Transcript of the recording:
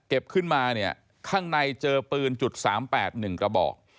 ขึ้นมาเนี่ยข้างในเจอปืนจุด๓๘๑กระบอก